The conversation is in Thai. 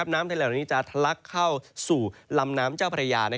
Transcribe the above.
ทะเลเหล่านี้จะทะลักเข้าสู่ลำน้ำเจ้าพระยา